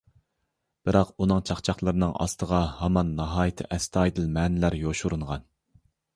بىراق ئۇنىڭ چاقچاقلىرىنىڭ ئاستىغا ھامان ناھايىتى ئەستايىدىل مەنىلەر يوشۇرۇنغان.